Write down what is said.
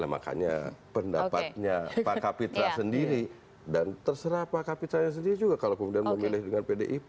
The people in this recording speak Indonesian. makanya pendapatnya pak kapitra sendiri dan terserah pak kapitra sendiri juga kalau kemudian memilih dengan pdip